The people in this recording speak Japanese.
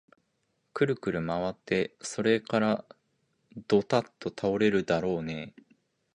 くるくるまわって、それからどたっと倒れるだろうねえ